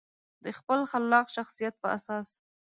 د خپل خلاق شخصیت په اساس.